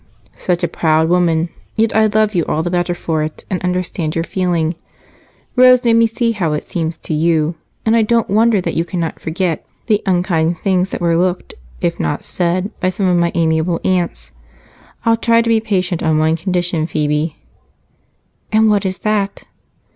"Such a proud woman! Yet I love you all the better for it, and understand your feeling. Rose made me see how it seems to you, and I don't wonder that you cannot forget the unkind things that were looked, if not said, by some of my amiable aunts. I'll try to be patient on one condition, Phebe." "And what is that?"